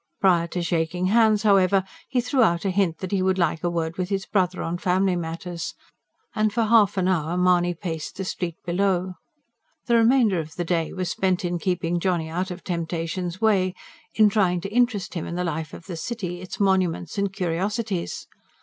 Prior to shaking hands, however, he threw out a hint that he would like a word with his brother on family matters. And for half an hour Mahony paced the street below. The remainder of the day was spent in keeping Johnny out of temptation's way, in trying to interest him in the life of the city, its monuments and curiosities.